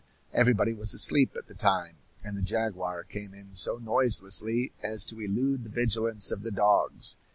Everybody was asleep at the time, and the jaguar came in so noiselessly as to elude the vigilance of the dogs.